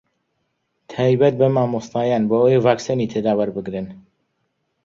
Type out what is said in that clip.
تایبەت بە مامۆستایان بۆ ئەوەی ڤاکسینی تێدا وەربگرن